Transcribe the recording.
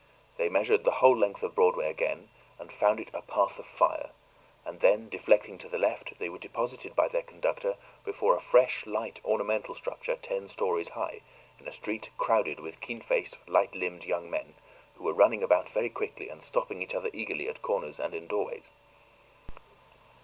They measured the whole length of Broadway again and found it a path of fire; and then, deflecting to the left, they were deposited by their conductor before a fresh, light, ornamental structure, ten stories high, in a street crowded with keen faced, light limbed young men, who were running about very quickly and stopping each other eagerly at corners and in doorways.